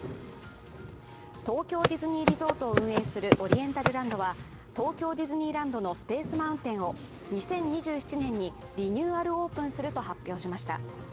東京ディズニーリゾートを運営するオリエンタルランドは東京ディズニーランドのスペース・マウンテンを２００２７年にリニューアルオープンすると発表しました。